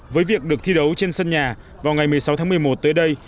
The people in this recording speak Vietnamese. với việc được thi đấu trên sân nhà vào ngày một mươi sáu tháng một mươi một tới đây